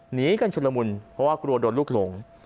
หนีกันชุดละมุนเพราะว่ากลัวโดนลูกหลง